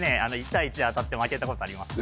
１対１で当たって負けたことあります